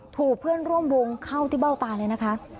ถูกเพื่อนร่วมวงเข้าที่เบ้าตาเลยนะคะ